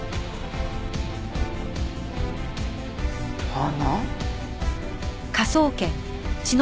花？